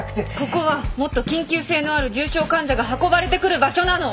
ここはもっと緊急性のある重症患者が運ばれてくる場所なの。